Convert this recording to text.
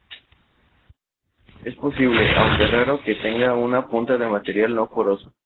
Es posible, aunque raro, que tenga una punta de material no poroso.